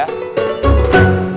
sabar dulu ya